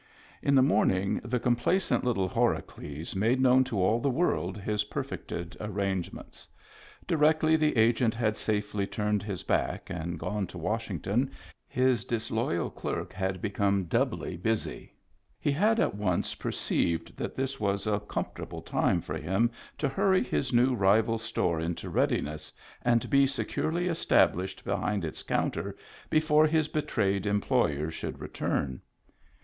In the morning the compla cent little Horacles made known to all the world his perfected arrangements. Directly the Agent had safely turned his back and gone to Washing ton, his disloyal clerk had become doubly busy. He had at once perceived that this was a comfort able time for him to hurry his new rival store into readiness and be securely established behind its counter before his betrayed employer should return.